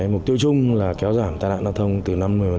mục tiêu chung là kéo giảm tài nạn đa thông từ năm mươi